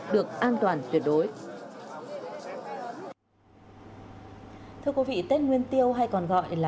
được an toàn tuyệt đối